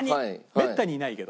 めったにいないけど。